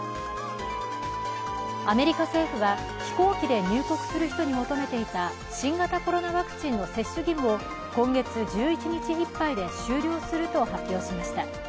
アメリカ政府は飛行機で入国する人に求めていた新型コロナワクチンの接種義務を今月１１日いっぱいで終了すると発表しました。